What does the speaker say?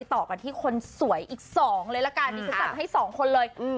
ต่อกันที่คนสวยอีกสองเลยละกันอีกสัตว์ให้สองคนเลยอืม